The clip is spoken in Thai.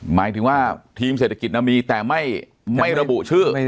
หมายถึงว่าทีมเศรษฐกิจมีแต่ไม่ระบุชื่อ